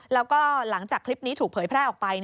แล้วก็หลังจากคลิปนี้ถูกเผยแพร่ออกไป